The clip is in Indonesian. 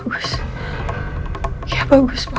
tunggu sebentar gua ngerti mbak